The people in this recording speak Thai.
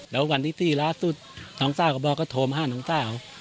แล้ววันที่๔ล่าสุดน้องสาวก็บอกก็โทรมาหาน้องสาว